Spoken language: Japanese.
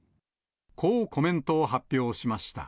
こうコメントを発表しました。